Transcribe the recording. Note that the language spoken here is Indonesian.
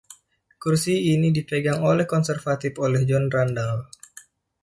Kursi ini dipegang oleh Konservatif oleh John Randall.